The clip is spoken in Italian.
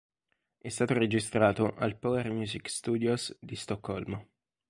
È stato registrato al Polar Music Studios di Stoccolma.